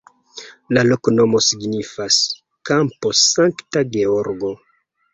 La loknomo signifas: kampo Sankta Georgo.